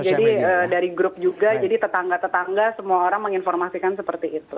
jadi dari grup juga jadi tetangga tetangga semua orang menginformasikan seperti itu